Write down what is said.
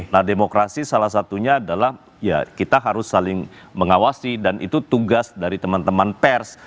nah demokrasi salah satunya adalah ya kita harus saling mengawasi dan itu tugas dari teman teman pers